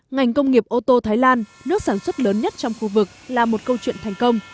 ngành công nghiệp ô tô thái lan nước sản xuất lớn nhất trong khu vực là một câu chuyện thành công